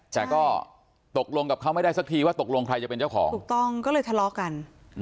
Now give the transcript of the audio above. แต่ก็ตกลงกับเขาไม่ได้สักทีว่าตกลงใครจะเป็นเจ้าของถูกต้องก็เลยทะเลาะกัน